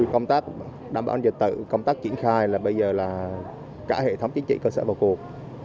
công tác đảm bảo an dịch tự công tác triển khai là bây giờ là cả hệ thống chính trị cơ sở vào cuộc